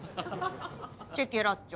チェケラッチョ。